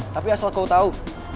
tapi asal kau tahu